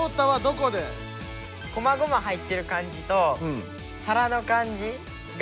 こまごま入ってる感じとさらの感じが。